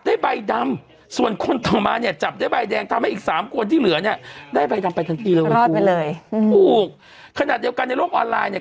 ได้ใบดำไปทันทีแล้วรอดไปเลยถูกขนาดเดี๋ยวกันในโลกออนไลน์เนี้ย